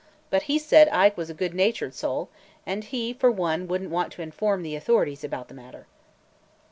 But he said Ike was a good natured soul and he for one would n't want to inform the authorities about the matter.